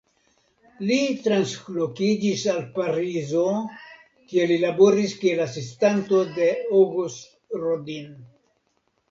Li translokiĝis al Parizo kie li laboris kiel asistanto de Auguste Rodin.